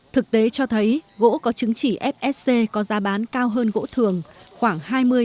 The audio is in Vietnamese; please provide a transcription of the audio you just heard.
thực tế cho thấy gỗ có chứng chỉ fsc có giá bán cao hơn gỗ thường khoảng hai mươi